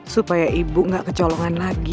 supaya ibu gak kecolongan lagi